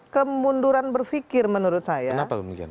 kemunduran berfikir menurut saya kenapa